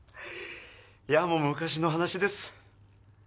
いやもう昔の話です。